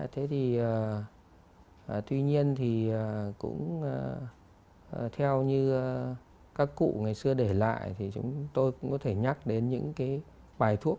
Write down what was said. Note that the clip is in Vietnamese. thế thì tuy nhiên thì cũng theo như các cụ ngày xưa để lại thì chúng tôi cũng có thể nhắc đến những cái bài thuốc